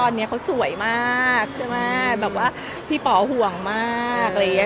ตอนนี้เขาสวยมากใช่ไหมแบบว่าพี่ป๋อห่วงมากอะไรอย่างเงี้